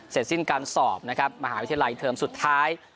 เสร็จสิ้นการสอบนะครับมหาวิทยาลัยเทอมสุดท้าย